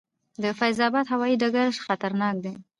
د فیض اباد هوايي ډګر خطرناک دی؟